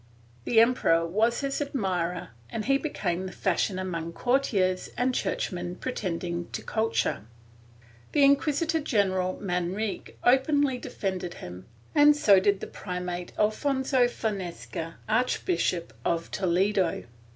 The emperor was his admirer and he became the fashion among courtiers and churchmen pretending to culture. The Inquisitor general Manrique openly defended him, and so did the primate, Alfonso Fonseca, Archbishop of Toledo.